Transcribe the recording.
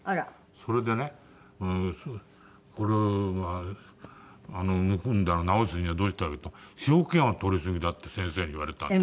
それでねこれむくんだのを治すにはどうしたらいいっていうと「塩気の取りすぎだ」って先生に言われたんで。